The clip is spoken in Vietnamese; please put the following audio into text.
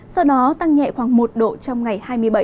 sau đó tăng nhẹ khoảng một độ trong ngày hai mươi bảy